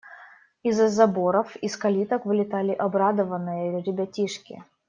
Из-за заборов, из калиток вылетали обрадованные ребятишки.